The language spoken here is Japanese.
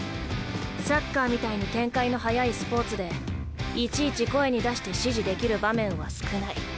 サッカーみたいに展開の早いスポーツでいちいち声に出して指示できる場面は少ない。